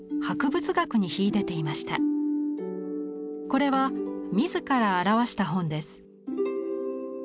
これは自ら著した本です。